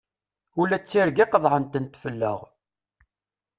Ula d tirga qeḍεen-tent fell-aɣ!